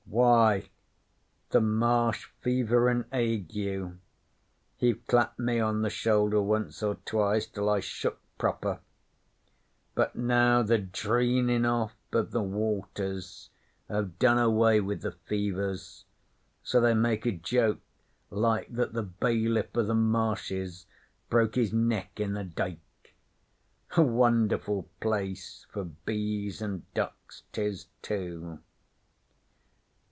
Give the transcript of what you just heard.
'Why, the Marsh fever an' ague. He've clapped me on the shoulder once or twice till I shook proper. But now the dreenin' off of the waters have done away with the fevers; so they make a joke, like, that the Bailiff o' the Marshes broke his neck in a dik. A won'erful place for bees an' ducks 'tis too.'